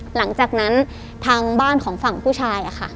หลังจากนั้นทางบ้านของฝั่งผู้ชายค่ะ